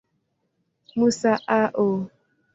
Musa, A. O.